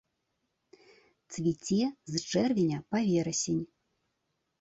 Цвіце з чэрвеня па верасень.